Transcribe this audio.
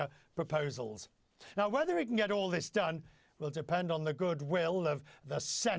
sekarang apakah dia bisa melakukan semua ini akan bergantung pada kebaikan